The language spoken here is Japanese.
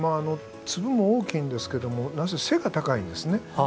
粒も大きいんですけども何せ背が高いんですね。